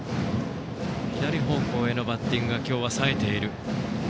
左方向へのバッティングが今日はさえている